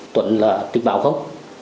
tuận là tự báo không